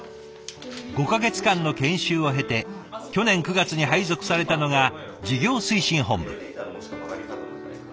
５か月間の研修を経て去年９月に配属されたのが事業推進本部。